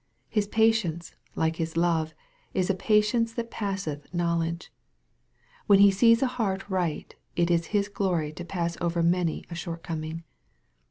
His patience, like His love, is a patience that passeth knowledge. When He sees a heart right, it is His glory to pass over many a short coming.